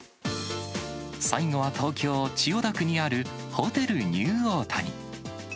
最後は東京・千代田区にあるホテルニューオータニ。